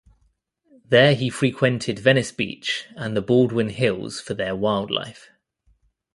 There he frequented Venice Beach and the Baldwin Hills for their wildlife.